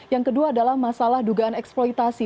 yang kedua adalah masalah dugaan eksploitasi